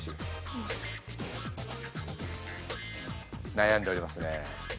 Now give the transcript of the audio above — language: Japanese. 悩んでおりますね。